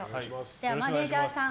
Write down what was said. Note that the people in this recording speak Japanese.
マネジャーさん